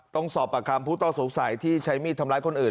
ต้องสอบปากคำผู้ต้องสงสัยที่ใช้มีดทำร้ายคนอื่น